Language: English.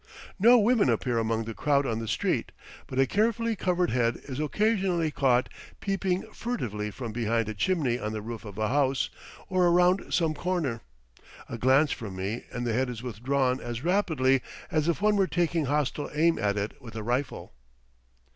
No women appear among the crowd on the street, but a carefully covered head is occasionally caught peeping furtively from behind a chimney on the roof of a house, or around some corner. A glance from me, and the head is withdrawn as rapidly as if one were taking hostile aim at it with a rifle.